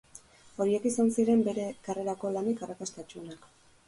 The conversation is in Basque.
Horiek izan ziren bere karrerako lanik arrakastatsuenak.